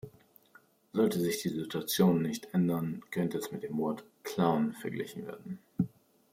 Sollte sich die Situation nicht ändern, könnte es mit dem Wort "Clown" verglichen werden.